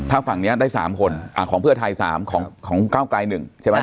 ถ้าฝั่งนี้ได้๓คนของเพื่อไทย๓ของเก้าไกร๑